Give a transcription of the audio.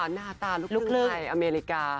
น่าตาลูกลึกใหม่อเมริกา